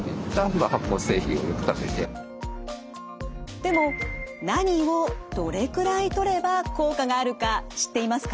でも何をどれくらいとれば効果があるか知っていますか？